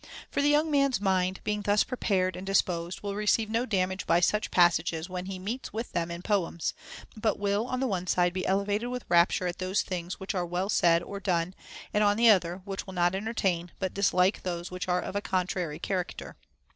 For the young man's mind, being thus prepared and dis posed, will receive no damage by such passages when he meets with them in poems, but will on the one side be elevated with rapture at those things which are well said or done, and on the other, will not entertain but dislike those which are of a contrary character.